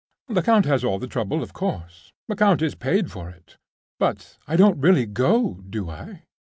"Lecount has all the trouble, of course; Lecount is paid for it! But I don't really go, do I?"